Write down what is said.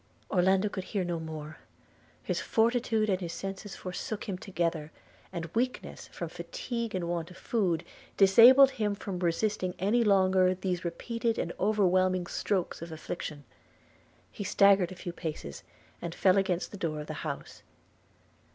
Orlando could hear no more – his fortitude and his senses forsook him together – and weakness, from fatigue and want of food, disabled him from resisting any longer these repeated and overwhelming strokes of affliction – He staggered a few paces, and fell against the door of the house.